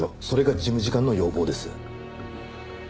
それが事務次官の要望です。